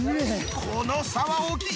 この差は大きい。